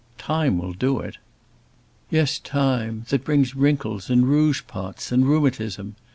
"Time will do it." "Yes; time, that brings wrinkles and rouge pots and rheumatism.